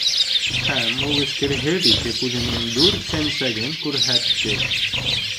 Һәм ул эскерһеҙ итеп үҙенең дүрт сәнсәген күрһәтте.